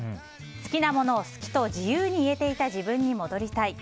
好きなものを好きと自由に言えていた自分に戻りたい。